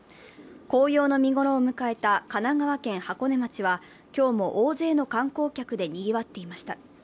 紅葉の見頃を迎えた神奈川県箱根町は、今日も大勢の観光客でにぎわっていました。